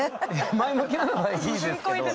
前向きなのはいいですけど。